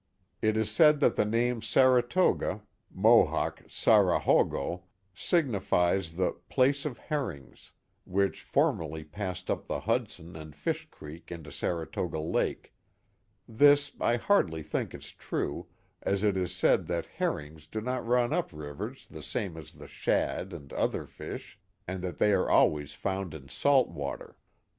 It is said that the name Saratoga (Mohawk Sa rag ho go) signifies the "place of herrings," " which form erly passed up the Hudson and Fish Creek into Saratoga Lake," This I hardly think is true, as it is said that herrings do not run up rivers the same as the shad and other fish, and that they are always found in salt water.